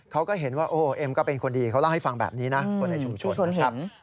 เขาก็เห็นว่าโอ้เอ็มก็เป็นคนดีเขาเล่าให้ฟังแบบนี้นะคนในชุมชนนะครับ